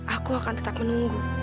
aku akan tetap menunggu